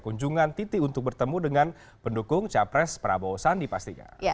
kunjungan titi untuk bertemu dengan pendukung capres prabowo sandi pastinya